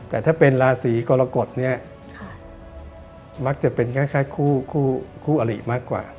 แต่ถ้าเป็นราศีกรกฎเนี่ยมักจะเป็นคล้ายคู่อลิมากกว่า